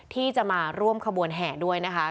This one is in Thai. ที่จะมาร่วมขบวนแห่ด้วยนะคะ